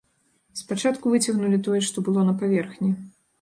Спачатку выцягнулі тое, што было на паверхні.